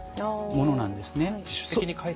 そうなんですね。